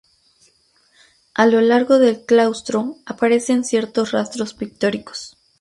A lo largo del claustro aparecen ciertos rastros pictóricos.